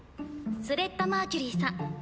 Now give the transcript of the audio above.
スレッタ・マーキュリーさん。